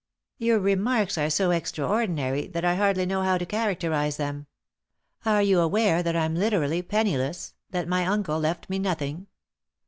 " Your remarks are so extraordinary that I hardly know how to characterise them. Are you aware that I'm literally penniless — that my uncle left me nothing